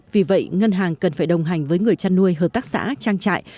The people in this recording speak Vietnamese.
vì vậy ngân hàng cần phải đồng hành với người chăn nuôi hợp tác xã trang trại